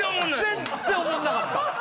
全然おもんなかった。